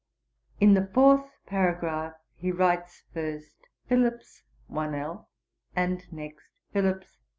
In the fourth paragraph he writes, first Philips, and next Phillips.